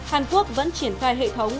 hàn quốc vẫn triển khai hệ thống